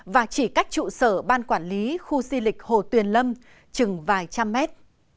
và chỉ cách trụ sở ban quản lý khu di lịch hồ tuyền lâm chừng vài trăm mét